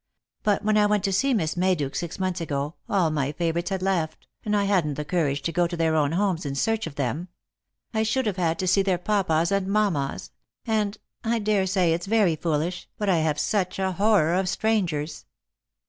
But when I went to see Miss Mayduke six months ago, all my favourites had left, and I hadn't the courage to go to their own homes in search of them. I should have had to see their papas and mammas, and — I daresay its very foolish, but I have such a horror of strangers."